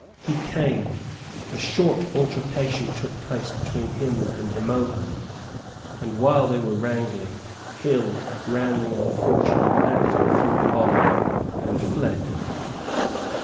He came. A short altercation took place between him and Mohun; and, while they were wrangling, Hill ran the unfortunate actor through the body, and fled.